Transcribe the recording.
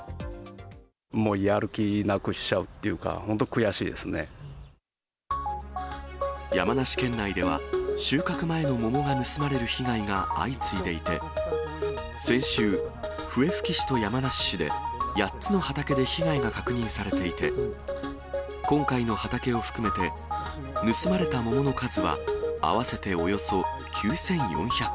もうやる気なくしちゃうって山梨県内では、収穫前の桃が盗まれる被害が相次いでいて、先週、笛吹市と山梨市で、８つの畑で被害が確認されていて、今回の畑を含めて盗まれた桃の数は、合わせておよそ９４００個。